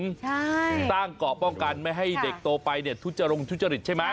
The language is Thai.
ใช่สร้างเกาะป้องกันไม่ให้เด็กโตไปเนี่ยทุจรงทุจริตใช่ไหม